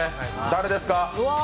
誰ですか？